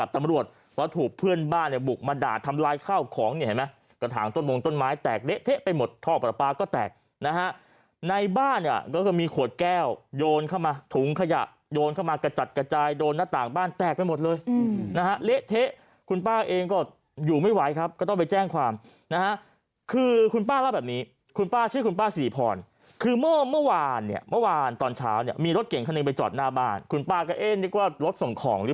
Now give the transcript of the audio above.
ตำรวจแล้วถูกเพื่อนบ้านบุกมาด่าทำร้ายข้าวของเนี่ยเห็นไหมกระถางต้นมงต้นไม้แตกเละเทะไปหมดท่อประปาก็แตกนะฮะในบ้านเนี่ยก็มีขวดแก้วโยนเข้ามาถุงขยะโยนเข้ามากระจัดกระจายโดนหน้าต่างบ้านแตกไปหมดเลยนะฮะเละเทะคุณป้าเองก็อยู่ไม่ไหวครับก็ต้องไปแจ้งความนะฮะคือคุณป้าเล่าแบบนี้คุณป้าชื่อ